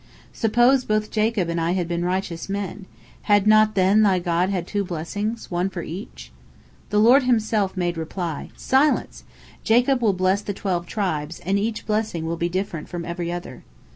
Suppose both Jacob and I had been righteous men, had not then thy God had two blessings, one for each?" The Lord Himself made reply: "Silence! Jacob will bless the twelve tribes, and each blessing will be different from every other."